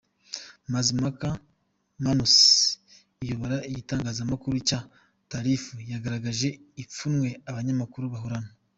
Mazimpaka Magnus uyobora igitangazamakuru cya Taarifa yagaragaje ipfunwe abanyamakuru bahorana.